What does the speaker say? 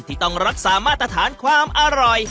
ที่ต้องรักษามาตรฐานความอร่อย